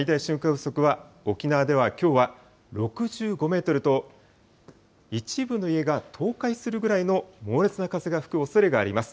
風速は、沖縄ではきょうは６５メートルと、一部の家が倒壊するぐらいの猛烈な風が吹くおそれがあります。